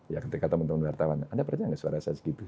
ya ketika teman teman wartawan anda percaya nggak suara saya segitu